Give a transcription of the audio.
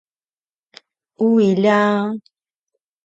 ui lja!